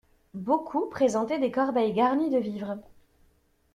Beaucoup présentaient des corbeilles garnies de vivres.